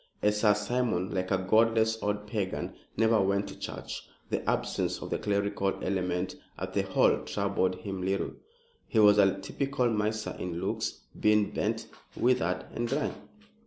As Sir Simon, like a godless old pagan, never went to church, the absence of the clerical element at the Hall troubled him little. He was a typical miser in looks, being bent, withered and dry.